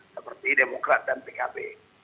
seperti demokrat dan pkb